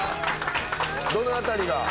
どの辺りが？